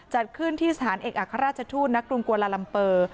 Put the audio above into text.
จัดขึ้นที่สถานเอกอัครราชทูตณกรุงกวาลาลัมเปอร์